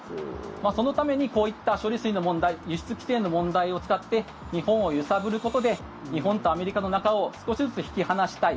そのためにこういった処理水の問題輸出規制の問題を使って日本を揺さぶることで日本とアメリカの仲を少しずつ引き離したい。